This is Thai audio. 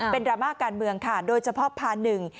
เป็นดราม่าการเมืองค่ะโดยเฉพาะพาหนึ่ง